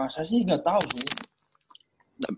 saya sih gak tau sih